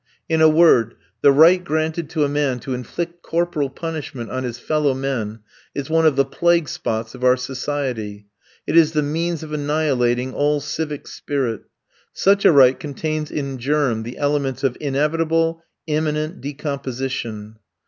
In a word, the right granted to a man to inflict corporal punishment on his fellow men, is one of the plague spots of our society. It is the means of annihilating all civic spirit. Such a right contains in germ the elements of inevitable, imminent decomposition.